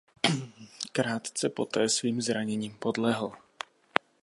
Krátce poté svým zraněním podlehl.